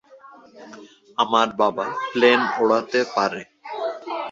আমার বাবা প্লেন ওড়াতে পারে।